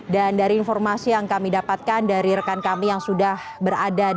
dari informasi yang kami dapatkan dari rekan kami yang sudah berada di